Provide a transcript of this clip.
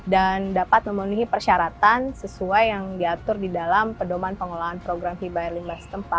dan dapat memenuhi persyaratan sesuai yang diatur di dalam pedalaman pengolahan program hiba air limbah setempat